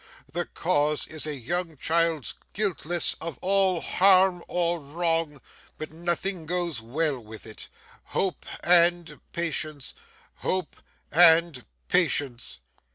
The cause is a young child's guiltless of all harm or wrong, but nothing goes well with it! Hope and patience, hope and patience!